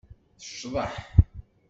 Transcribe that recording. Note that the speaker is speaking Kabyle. Tecḍeḥ.